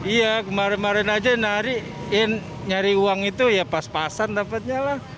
iya kemarin kemarin aja nyari uang itu ya pas pasan dapatnya lah